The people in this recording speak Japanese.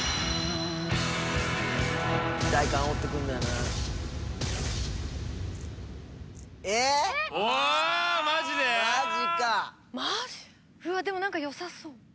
うわっでも何か良さそう。